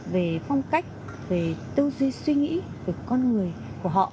về phong cách về tư duy suy nghĩ về con người của họ